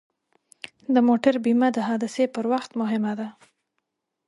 د موټر بیمه د حادثې پر وخت مهمه ده.